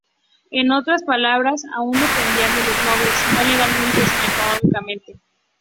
En otras palabras, aún dependían de los nobles, no legalmente, sino económicamente.